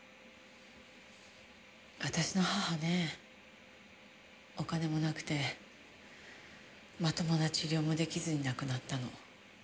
私の母ねお金もなくてまともな治療も出来ずに亡くなったの。